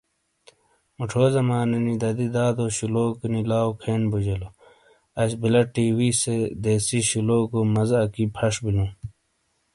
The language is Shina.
موچھو زمانے نی دادی دادو شلوکو نی لاؤ کھین بوجیلو اش بلا ٹی۔ ویسے دیسی شلوگو مزا اکی فش بلوں۔